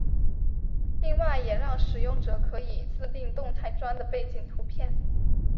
另外也让使用者可以自订动态砖的背景图片。